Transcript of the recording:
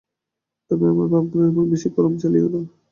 তবে আমার ভাবগুলির ওপর বেশী কলম চালিও না।